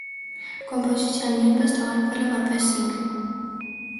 Կոմպոզիցիան նույնպես թողարկվել է որպես սինգլ։